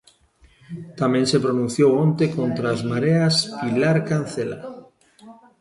Tamén se pronunciou onte contra as Mareas Pilar Cancela.